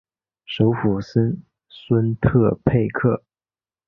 首府森孙特佩克。